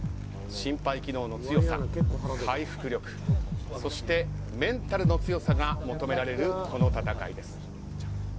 心肺機能の強さ回復力、そしてメンタルの強さが求められるこの戦いです。